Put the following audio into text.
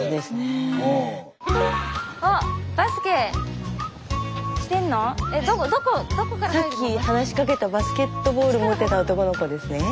スタジオさっき話しかけたバスケットボールを持ってた男の子ですね。